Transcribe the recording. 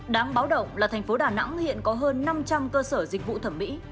đáng báo động là tp đà nẵng hiện có hơn năm trăm linh cơ sở dịch vụ thẩm mỹ